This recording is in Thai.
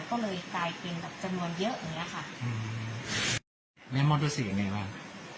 ก็เลยกลายเป็นแบบจำนวนเยอะอย่างเงี้ยค่ะอืมแล้วมอบที่สี่ยังไงบ้าง